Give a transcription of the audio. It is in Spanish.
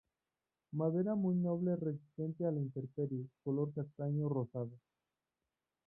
Madera muy noble resistente a la intemperie, color castaño rosado.